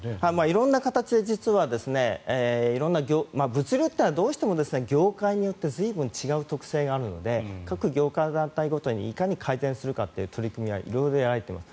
色んな形で、実は物流というのはどうしても業界によって随分違う特性があるので各業界、団体ごとにいかに改善するかって取り組みは色々やられています。